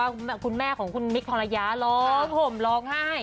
แล้วคุณแม่ของคุณมิกทองระยะร้องผมร้องให้